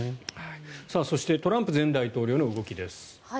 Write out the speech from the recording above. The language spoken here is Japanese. そしてトランプ前大統領の動きです。